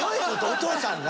お父さんが？